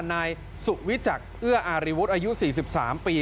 นายสุวิจักษ์เอื้ออารีวุฒิอายุ๔๓ปี